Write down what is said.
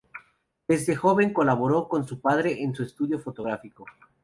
Desde joven colaboró con su padre en su estudio fotográfico.